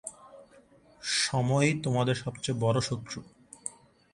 সময়ই তোমাদের সবচেয়ে বড়ো শত্রু।